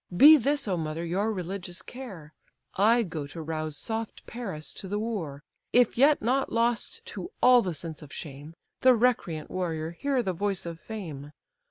Be this, O mother, your religious care: I go to rouse soft Paris to the war; If yet not lost to all the sense of shame, The recreant warrior hear the voice of fame.